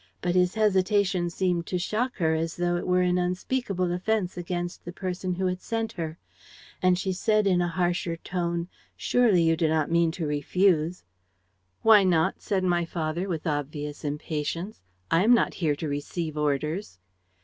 But his hesitation seemed to shock her as though it were an unspeakable offense against the person who had sent her; and she said, in a harsher tone, 'Surely you do not mean to refuse!' 'Why not?' said my father, with obvious impatience. 'I am not here to receive orders.'